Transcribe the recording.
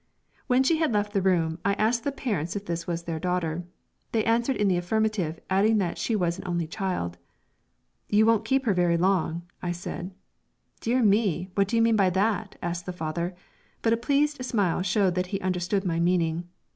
When she had left the room I asked the parents if this was their daughter. They answered in the affirmative, adding that she was an only child. "You won't keep her very long," I said. "Dear me, what do you mean by that?" asked the father; but a pleased smile showed that he understood my meaning.